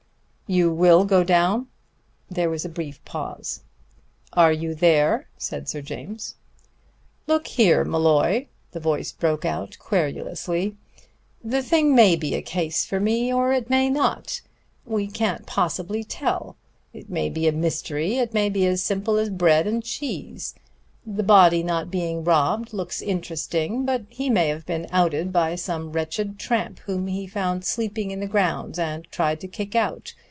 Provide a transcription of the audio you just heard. "You will go down?" There was a brief pause. "Are you there?" said Sir James. "Look here, Molloy," the voice broke out querulously, "the thing may be a case for me, or it may not. We can't possibly tell. It may be a mystery: it may be as simple as bread and cheese. The body not being robbed looks interesting, but he may have been outed by some wretched tramp whom he found sleeping in the grounds and tried to kick out.